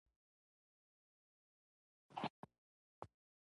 د کندهار په ژیړۍ کې د مرمرو نښې شته.